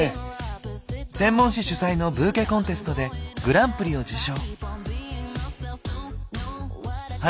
専門誌主催のブーケコンテストでグランプリを受賞。